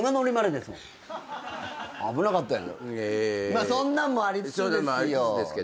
まあそんなんもありつつですよ。